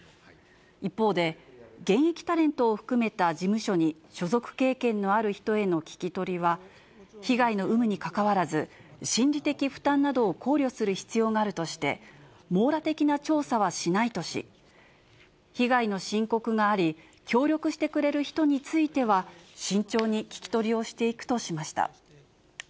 一方で、現役タレントを含めた事務所に所属経験のある人への聞き取りは、被害の有無にかかわらず、心理的負担などを考慮する必要があるとして、網羅的な調査はしないとし、被害の申告があり、協力してくれる人については、慎重に聞き取りをしていくとしました。